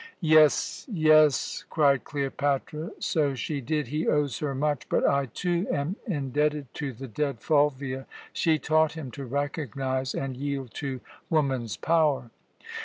"Yes, Yes!" cried Cleopatra. "So she did. He owes her much; but I, too, am indebted to the dead Fulvia. She taught him to recognize and yield to woman's power."